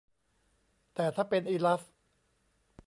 แต่ถ้าเป็นอิลัส